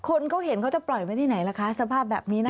คนเขาเห็นเขาจะปล่อยไว้ที่ไหนล่ะคะสภาพแบบนี้นะคะ